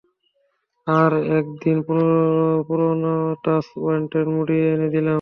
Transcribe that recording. আর তা এক দিন পুরানো সার্চ ওয়ারেন্টে মুড়িয়ে এনে দিলেন।